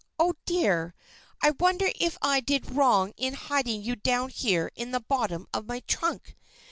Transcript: Oh, dear! I wonder if I did wrong in hiding you down here in the bottom of my trunk?